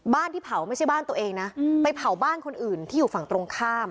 ที่เผาไม่ใช่บ้านตัวเองนะไปเผาบ้านคนอื่นที่อยู่ฝั่งตรงข้าม